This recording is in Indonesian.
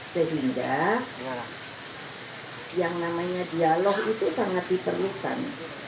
sehingga yang namanya dialog itu sangat diperlukan